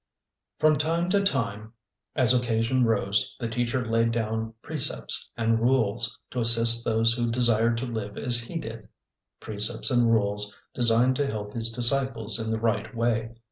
From time to time, as occasion arose, the teacher laid down precepts and rules to assist those who desired to live as he did precepts and rules designed to help his disciples in the right way.